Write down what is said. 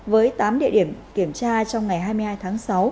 với tám địa điểm kiểm tra trong ngày hai mươi hai tháng sáu